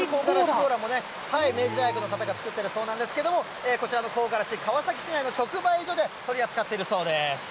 コーラもね、明治大学の方が作ってるそうなんですけれどもこちらの香辛子、川崎市内の直売所で取り扱ってるそうです。